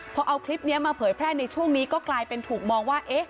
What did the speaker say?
พอเอาคลิปนี้มาเผยแพร่ในช่วงนี้ก็กลายเป็นถูกมองว่า